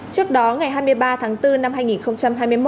trước đó ngày hai mươi ba tháng bốn năm hai nghìn hai mươi một